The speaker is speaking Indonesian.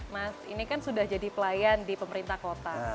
mas ini kan sudah jadi pelayan di pemerintah kota